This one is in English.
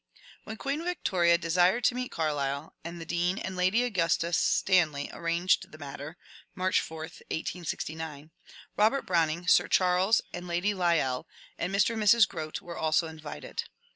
When Queen Victoria desired to meet Carlyle, and the Dean and Lady Augusta Stanley arranged the matter (March 4, 1869), Robert Browning, Sir Charles and Lady Lyell, and Mr. and Mrs. Grote were also invited.